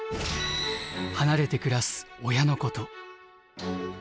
離れて暮らす親のこと。